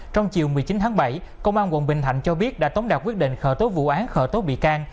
trong chiều một mươi chín tháng bảy công an quận bình thạnh cho biết đã tống đạt quyết định khởi tố vụ án khởi tố bị can